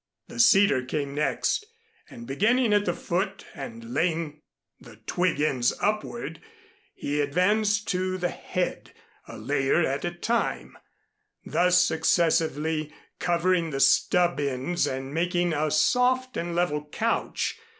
The cedar came next; and, beginning at the foot and laying the twig ends upward, he advanced to the head, a layer at a time, thus successively covering the stub ends and making a soft and level couch.